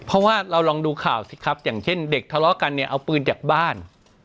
เพราะว่าเราลองดูข่าวสิครับอย่างเช่นเด็กทะเลาะกันเนี่ยเอาปืนจากบ้าน